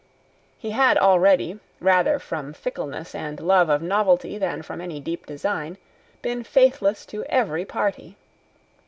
He had already, rather from fickleness and love of novelty than from any deep design, been faithless to every party.